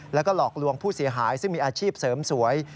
แล้วก็หลอกลวงผู้เสียหายซึ่งมีอาชีพเสริมสวย